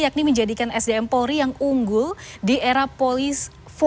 yakni menjadikan sdm polri yang unggul di era polis empat